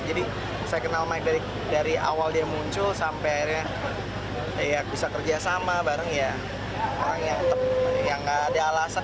jadi saya kenal mike dari awal dia muncul sampai akhirnya ya bisa kerja sama bareng ya orang yang gak ada alasan